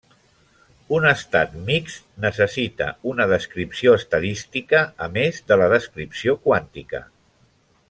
Un estat mixt necessita una descripció estadística a més de la descripció quàntica.